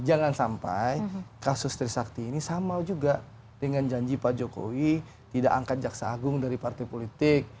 jangan sampai kasus trisakti ini sama juga dengan janji pak jokowi tidak angkat jaksa agung dari partai politik